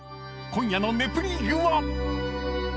［今夜の『ネプリーグ』は］